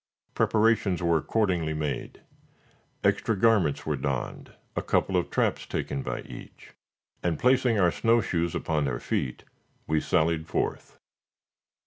Preparations were accordingly made. Extra garments were donned, a couple of traps taken by each, and, placing our snow shoes upon our feet, we sallied forth.